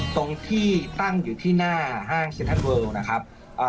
ตรงที่ตั้งอยู่ที่หน้าห้างเซ็นทันเลิลนะครับ